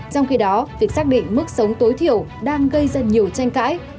trong khi đó việc xác định mức sống tối thiểu đang gây ra nhiều tranh cãi